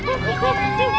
coba ngejar kita